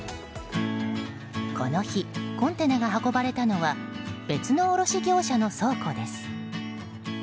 この日、コンテナが運ばれたのは別の卸業者の倉庫です。